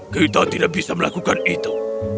kita tidak bisa melakukan itu